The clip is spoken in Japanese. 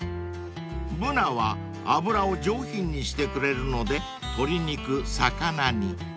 ［ブナは脂を上品にしてくれるので鶏肉魚に］